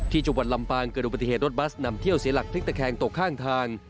จังหวัดลำปางเกิดอุบัติเหตุรถบัสนำเที่ยวเสียหลักพลิกตะแคงตกข้างทาง